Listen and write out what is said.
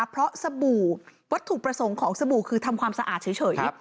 เพราะสบู่วัตถุประสงค์ของสบู่คือทำความสะอาดเฉย